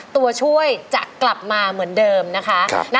ตัวช่วยจะกลับมาเหมือนเดิมนะคะ